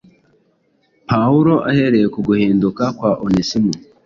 Pawulo ahereye ku guhinduka kwa Onesimo,